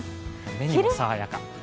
目にも爽やか。